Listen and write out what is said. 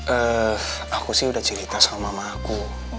eh aku sih udah cerita sama mama aku